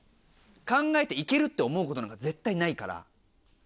考えて行けるって思うことのほうが絶対ないから。